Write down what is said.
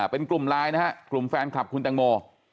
เป็นกลุ่มรายนะครับกลุ่มแฟนคลับคุณตังโม